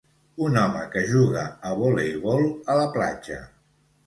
Un home que juga a voleibol a la platja.